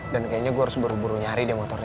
dan kayaknya gue harus buru buru nyari deh motornya